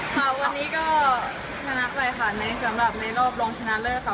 ค่ะวันนี้ก็ชนะไปค่ะในสำหรับในรอบรองชนะเลิศค่ะ